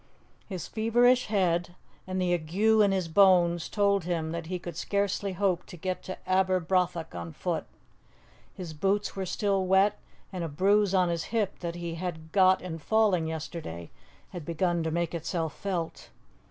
His feverish head and the ague in his bones told him that he could scarcely hope to get to Aberbrothock on foot. His boots were still wet, and a bruise on his hip that he had got in falling yesterday had begun to make itself felt.